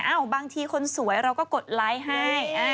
บางทีคนสวยเราก็กดไลค์ให้